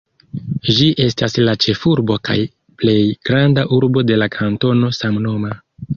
Ĝi estas la ĉefurbo kaj plej granda urbo de la kantono samnoma.